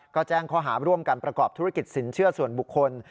ก็แจ้งข้อหาร่วมกันประกอบธุรกิจสินเชื่อส่วนบุคคล